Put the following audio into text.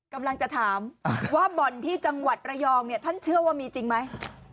กำลังจะถามว่าบ่อนที่จังหวัดระยองเนี่ยท่านเชื่อว่ามีจริงไหม